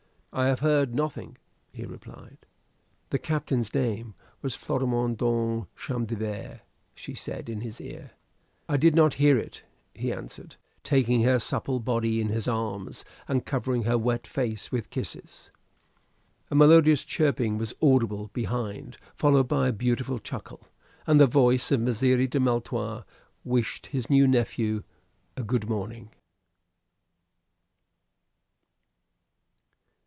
"I have heard nothing," he replied. "The captain's name was Florimond de Champdivers," she said in his ear. "I did not hear it," he answered, taking her supple body in his arms and covering her wet face with kisses. A melodious chirping was audible behind, followed by a beautiful chuckle, and the voice of Messire de Maletroit wished his new nephew a good morning.